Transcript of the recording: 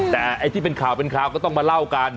แต่ไอ้ที่เป็นข่าวก็ต้องมาเล่ากัน